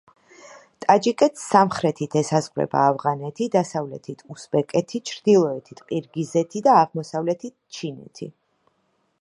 ტაჯიკეთს სამხრეთით ესაზღვრება ავღანეთი, დასავლეთით უზბეკეთი, ჩრდილოეთით ყირგიზეთი და აღმოსავლეთით ჩინეთი.